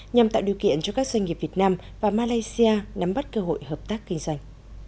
nhằm tạo điều kiện cho các doanh nghiệp việt nam và malaysia nắm bắt cơ hội hợp tác kinh doanh